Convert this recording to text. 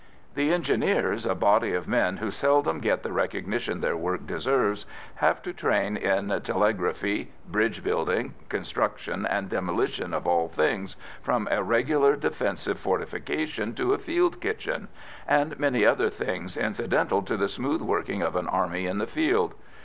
The Engineers, a body of men who seldom get the recognition their work deserves, have to train in telegraphy, bridge building, construction and demolition of all things, from a regular defensive fortification to a field kitchen, and many other things incidental to the smooth working of an army in the field.